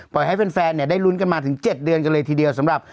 ให้แฟนได้ลุ้นกันมาถึง๗เดือนกันเลยทีเดียวสำหรับ